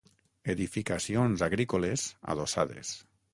Edificacions agrícoles adossades.